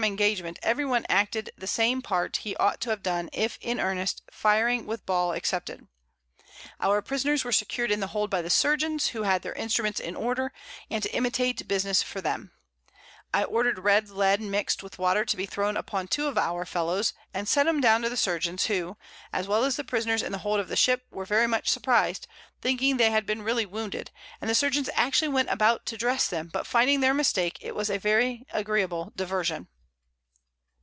_] Engagement, every one acted the same Part he ought to have done, if in earnest, firing with Ball excepted. Our Prisoners were secured in the Hold by the Surgeons, who had their Instruments in order, and to imitate Business for them, I order'd red Lead mixt with Water to be thrown upon two of our Fellows, and sent 'em down to the Surgeons, who, as well as the Prisoners in the Hold of the Ship, were very much surpriz'd, thinking they had been really wounded, and the Surgeons actually went about to dress them, but finding their Mistake, it was a very agreeable Diversion.